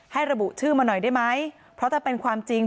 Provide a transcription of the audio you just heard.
ระบุชื่อมาหน่อยได้ไหมเพราะถ้าเป็นความจริง